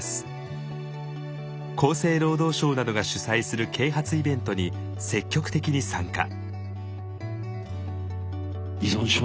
厚生労働省などが主催する啓発イベントに積極的に参加。